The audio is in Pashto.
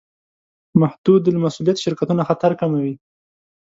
محدودالمسوولیت شرکتونه خطر کموي.